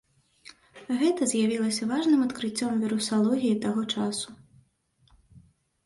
Гэта з'явілася важным адкрыццём вірусалогіі таго часу.